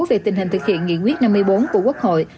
về tình hình thực hiện nghị quyết năm mươi bốn của quốc hội